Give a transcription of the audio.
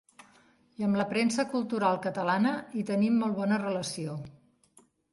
I amb la premsa cultural catalana hi tenim molt bona relació.